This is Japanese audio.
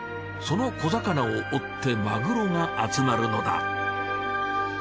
その小魚を追ってマグロが集まるのだ。